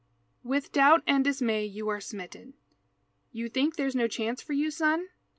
With doubt and dismay you are smitten You think there's no chance for you, son?